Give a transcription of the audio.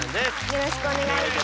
よろしくお願いします。